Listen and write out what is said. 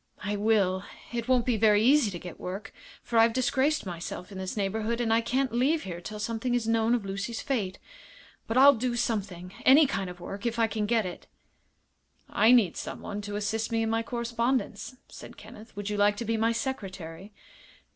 "I will. It won't be very easy to get work, for I've disgraced myself in this neighborhood, and I can't leave here till something is known of Lucy's fate. But I'll do something any kind of work if I can get it." "I need someone to assist me in my correspondence," said Kenneth. "Would you like to be my secretary?"